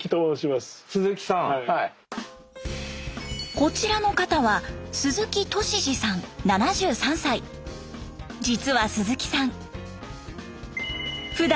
こちらの方は実は鈴木さん